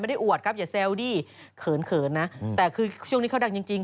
ไม่ได้อวดครับอย่าแซวดิเขินนะแต่คือช่วงนี้เขาดังจริง